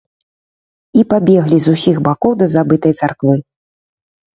І пабеглі з усіх бакоў да забытай царквы.